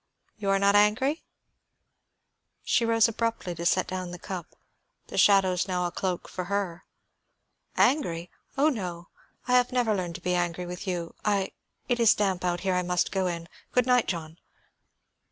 You are not angry?" She rose abruptly to set down the cup, the shadows now a cloak for her. "Angry? Oh, no; I have never learned to be angry with you. I It is damp out here; I must go in. Good night, John."